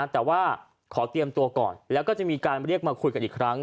แต่ว่าขอเตรียมตัวก่อนแล้วก็จะมีการเรียกมาคุยกันอีกครั้ง